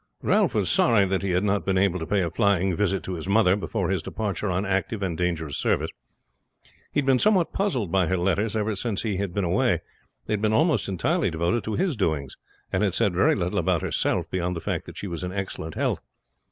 Ralph was sorry that he had not been able to pay a flying visit to his mother before his departure on active and dangerous service. He had been somewhat puzzled by her letters ever since he had been away. They had been almost entirely devoted to his doings, and had said very little about herself beyond the fact that she was in excellent health.